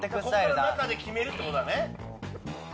この中で決めるってことだね。